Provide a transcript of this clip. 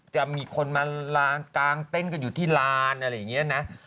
จะมีคนมากางเต้นกันอยู่ที่ลานอะไรอย่างนี้นะ